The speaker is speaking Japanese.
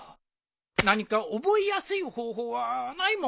何か覚えやすい方法はないもんかのう。